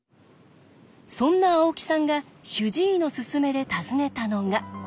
そんな青木さんが主治医のすすめで訪ねたのが。